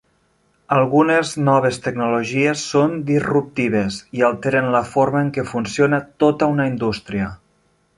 Algunes noves tecnologies són disruptives i alteren la forma en què funciona tota una indústria.